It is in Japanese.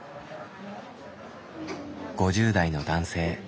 ５０代の男性。